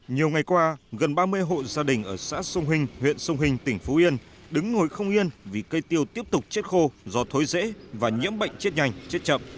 nhiều ngày qua gần ba mươi hộ gia đình ở xã sông hình huyện sông hình tỉnh phú yên đứng ngồi không yên vì cây tiêu tiếp tục chết khô do thối rễ và nhiễm bệnh chết nhanh chết chậm